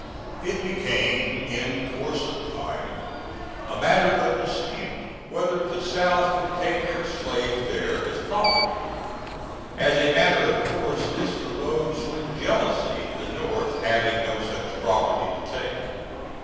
It became, in course of time, a matter of dispute whether the South could take their slaves there as property. (As a matter of course this arose from jealousy the N. having no such prop, to take.)